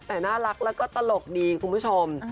แต่น่ารักแล้วก็ตลกดีคุณผู้ชม